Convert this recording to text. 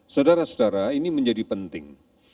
saudara saudara ini menjadi penting